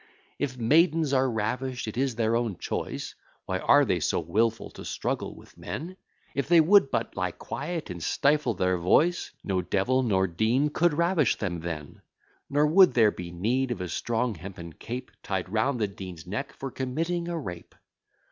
If maidens are ravish'd, it is their own choice: Why are they so wilful to struggle with men? If they would but lie quiet, and stifle their voice, No devil nor dean could ravish them then. Nor would there be need of a strong hempen cape Tied round the dean's neck for committing a rape.